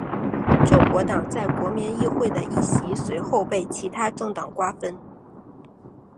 救国党在国民议会的议席随后被其它政党瓜分。